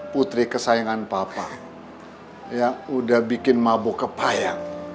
putri kesayangan papa yang sudah bikin mabuk ke payang